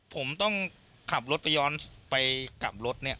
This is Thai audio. ผมต้องขับรถไปย้อนไปกลับรถเนี่ย